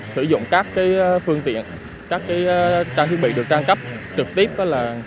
sử dụng các cái phương tiện các cái trang thiết bị được trang cấp trực tiếp đó là